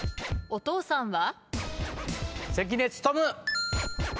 お父さんは？